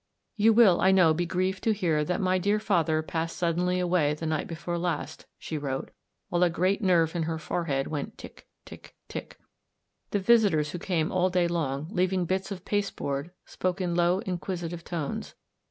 " You will, I know, be grieved to hear that my dear father passed suddenly a/way the night before last? she wrote, while a great nerve in her forehead went tick, tick, tick. The visitors who came all day long, leaving bits of pasteboard, spoke in low, inquisitive tones.